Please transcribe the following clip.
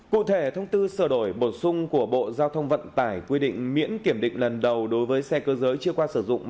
cụ thể thông tư sửa đổi bổ sung của bộ giao thông vận tải quy định miễn kiểm định lần đầu đối với xe cơ giới chưa qua sử dụng